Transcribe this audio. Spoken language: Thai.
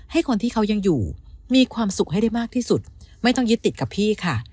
ให้คนที่เขายังอยู่มีความสุขให้ได้มากที่สุดไม่ต้องยึดติดกับพี่ค่ะ